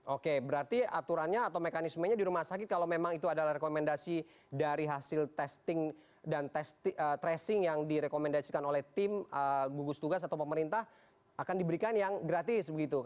oke berarti aturannya atau mekanismenya di rumah sakit kalau memang itu adalah rekomendasi dari hasil testing dan tes tracing yang direkomendasikan oleh tim gugus tugas atau pemerintah akan diberikan yang gratis begitu